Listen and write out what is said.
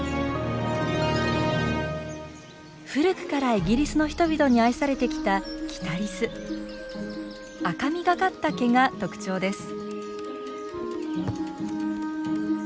古くからイギリスの人々に愛されてきたキタリス赤みがかった毛が特徴です。